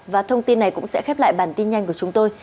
và thông tin này cũng sẽ khép lại bản tin nhanh của chúng tôi